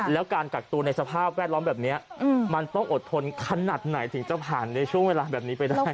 แล้วการกักตัวในสภาพแวดล้อมแบบนี้มันต้องอดทนขนาดไหนถึงจะผ่านในช่วงเวลาแบบนี้ไปได้